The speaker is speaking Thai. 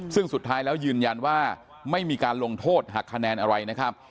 ซึ่งสุดท้ายแล้วยืนยันว่าไม่มีการลงโทษหักคะแนนอะไรนะครับ